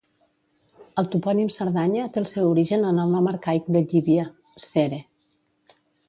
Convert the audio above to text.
El topònim Cerdanya té el seu origen en el nom arcaic de Llivia, Cere.